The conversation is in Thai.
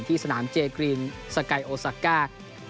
ที่สนามเจเกรียนสกโอซักก้า